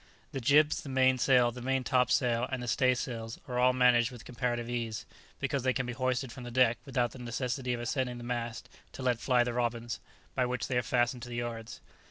The jibs, the main sail, the main top sail and the staysails are all managed with comparative ease, because they can be hoisted from the deck without the necessity of ascending the mast to let fly the robbins, by which they are fastened to the yards.